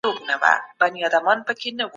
خدای پاک عادل دی او انصاف کوي.